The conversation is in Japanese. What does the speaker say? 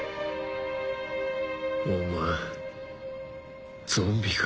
お前ゾンビか？